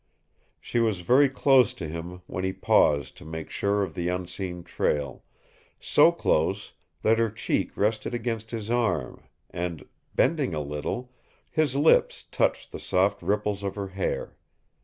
She was very close to him when he paused to make sure of the unseen trail, so close that her cheek rested against his arm, and bending a little his lips touched the soft ripples of her hair.